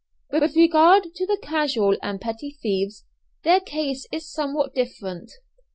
With regard to the casual and petty thieves, their case is somewhat different.